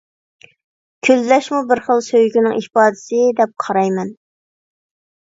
كۈنلەشمۇ بىر خىل سۆيگۈنىڭ ئىپادىسى، دەپ قارايمەن.